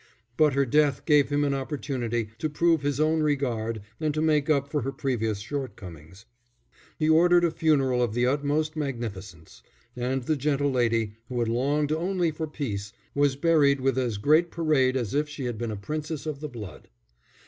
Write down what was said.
But her death gave him an opportunity to prove his own regard and to make up for her previous shortcomings. He ordered a funeral of the utmost magnificence; and the gentle lady, who had longed only for peace, was buried with as great parade as if she had been a princess of the blood.